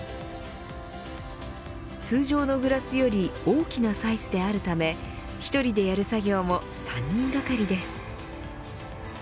通常のグラスより大きなサイズであるため１人でやる作業も３人がかりです。